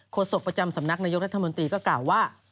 โศกประจำสำนักนายกรัฐมนตรีก็กล่าวว่า